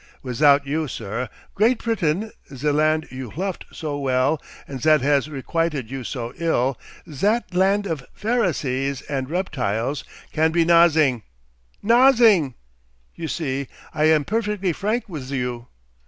Wizout you, sir, Great Pritain, ze land you lofed so well and zat has requited you so ill, zat land of Pharisees and reptiles, can do nozzing! nozzing! You see, I am perfectly frank wiz you.